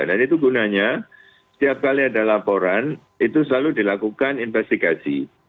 dan itu gunanya setiap kali ada laporan itu selalu dilakukan investigasi